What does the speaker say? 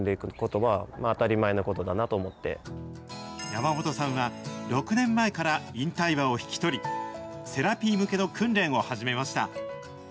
山本さんは、６年前から引退馬を引き取り、セラピー向けの訓練を始めました。